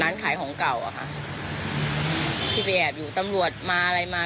ร้านขายของเก่าอ่ะค่ะที่ไปแอบอยู่ตำรวจมาอะไรมา